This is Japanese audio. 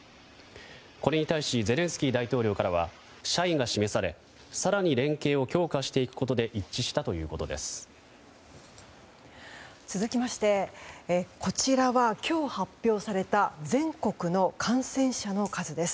これに対しゼレンスキー大統領からは謝意が示され更に連携を強化していくことで一致したということです。